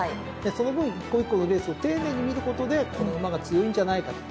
その分１個１個のレースを丁寧に見ることでこの馬が強いんじゃないかと。